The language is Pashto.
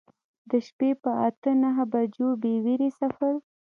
د شپې په اته نهه بجو بې ویرې سفر.